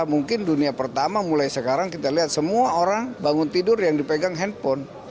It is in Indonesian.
mungkin dunia pertama mulai sekarang kita lihat semua orang bangun tidur yang dipegang handphone